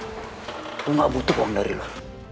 gue enggak butuh uang dari lo